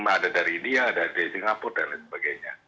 ada dari india ada dari singapura dan lain sebagainya